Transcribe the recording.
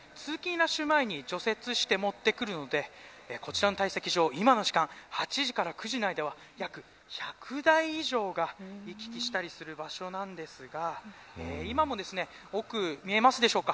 ラッシュ前に除雪して持ってくるのでこちらの堆積場今の時間、８時から９時の間は約１００台以上が行き来したりする場所なんですが今も奥、見えますでしょうか。